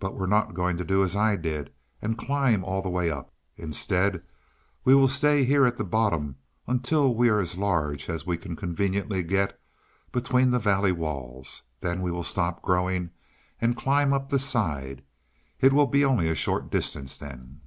"But we're not going to do as I did, and climb all the way up. Instead we will stay here at the bottom until we are as large as we can conveniently get between the valley walls. Then we will stop growing and climb up the side; it will only be a short distance then."